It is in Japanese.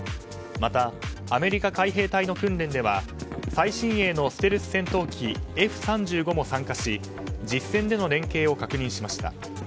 また、アメリカ海兵隊の訓練では最新鋭のステルス戦闘機Ｆ３５も参加し実戦での連携を確認しました。